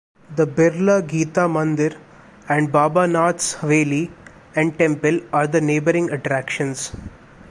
The Birla Gita Mandir and Baba Nath's haveli and temple are the neighbouring attractions.